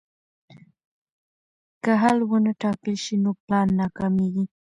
که حل ونه ټاکل شي نو پلان ناکامېږي.